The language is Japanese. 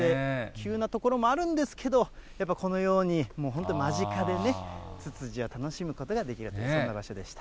かなり階段がね、あったりして、急な所もあるんですけれども、やっぱこのように、もう本当に間近でね、ツツジを楽しむことができる、そんな場所でした。